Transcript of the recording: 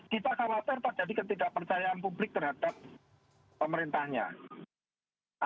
kita khawatir terjadi ketidakpercayaan publik terhadap pemerintahnya